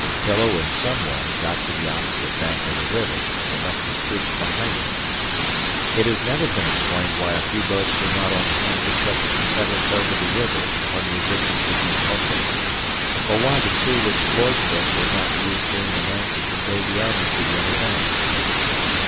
Pillow in some way got to the opposite bank of the river and left his troops behind him. It has never been explained why a few boats were not on hand to set the Confederates over the river, when resistance became hopeless, or why the two which Floyd took were not used during the night to convey the army to the other bank.